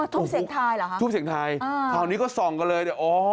ทูบเสกทายเหรอฮะทูบเสกทายคราวนี้ก็ส่องกันเลย